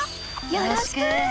よろしく！